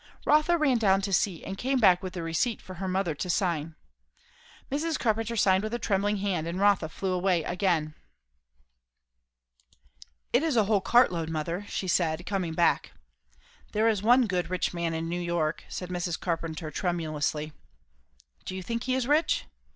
Rotha ran down to see, and came back with the receipt for her mother to sign. Mrs. Carpenter signed with a trembling hand, and Rotha flew away again. "It is a whole cart load, mother," she said coming back. "There is one good rich man in New York," said Mrs. Carpenter tremulously. "Do you think he is rich?"